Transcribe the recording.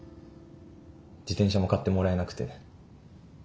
自転車も買ってもらえなくてね。